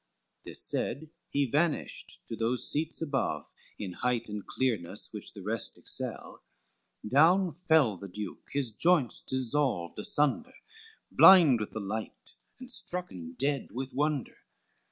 This said, he vanished to those seats above, In height and clearness which the rest excel, Down fell the Duke, his joints dissolved asunder, Blind with the light, and strucken dead with wonder.